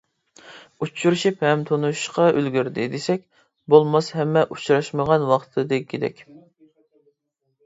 ئۇچرىشىپ ھەم تونۇشۇشقا ئۈلگۈردى دېسەك، بولماس ھەممە ئۇچراشمىغان ۋاقىتتىكىدەك.